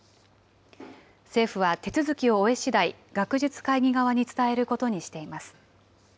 政府は手続きを終えしだい、学術会議側に伝えることにしています。